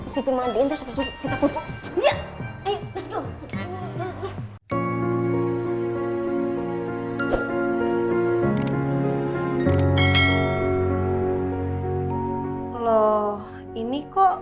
siki mandiin terus abis itu kita pupuk